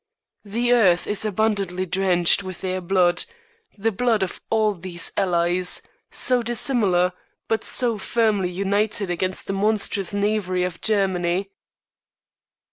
The earth is abundantly drenched with their blood, the blood of all these Allies, so dissimilar, but so firmly united against the monstrous knavery of Germany.